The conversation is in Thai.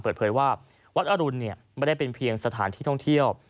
เปิดเผยว่าวัดอรุณไม่ได้เป็นเพียงสถานที่ท่องเที่ยว